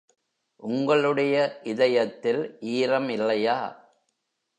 உங்களுடைய இதயத்தில் ஈரம் இல்லையா?